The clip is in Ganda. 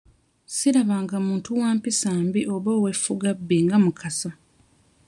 Sirabanga muntu wa mpisa mbi oba ow'effugabbi nga Mukasa.